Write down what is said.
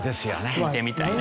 見てみたいな。